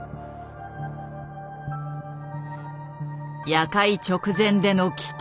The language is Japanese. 夜会直前での危機。